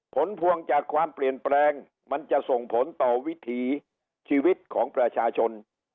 ผลพวงจากความเปลี่ยนแปลงมันจะส่งผลต่อวิถีชีวิตของประชาชน